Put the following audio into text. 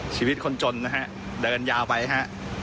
ชีวิตคนจนนะฮะเดินยาวไปฮะ